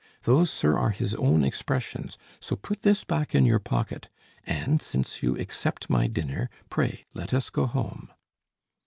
Those, sir, are his own expressions; so put this back in your pocket, and, since you accept my dinner, pray let us go home."